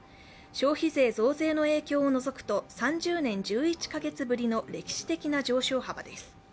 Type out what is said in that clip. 消費税増税の影響を除くと３０年１１か月ぶりの歴史的な上昇幅です。